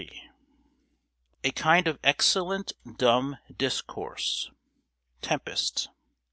A kind of excellent, dumb discourse. TEMPEST.